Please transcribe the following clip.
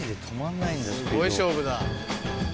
すごい勝負だ。